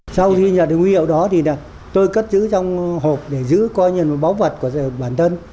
sau khi nhận được huy hiệu đó thì tôi cất giữ trong hộp để giữ coi như một báu vật của bản thân